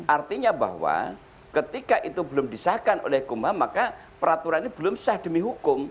artinya bahwa ketika itu belum disahkan oleh kumham maka peraturan ini belum sah demi hukum